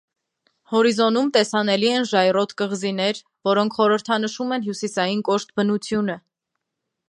Հորիզոնում տեսանելի են ժայռոտ կղզիներ, որոնք խորհրդանշում են հյուսիսային կոշտ բնությունը։